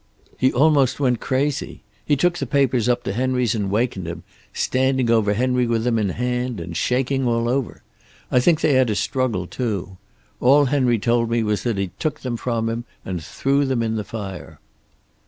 "He almost went crazy. He took the papers up to Henry's and wakened him, standing over Henry with them in hand, and shaking all over. I think they had a struggle, too. All Henry told me was that he took them from him and threw them in the fire.